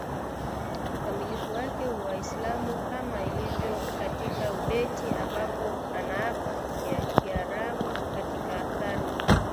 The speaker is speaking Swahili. ukamilifu wake Waislamu kama ilivyo katika ubeti ambapo anaapa ya Kiarabu katika karne